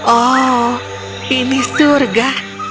oh ini surga